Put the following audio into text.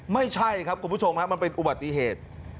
ไม่ใช่ครับคุณผู้ชมฮะมันเป็นอุบัติเหตุ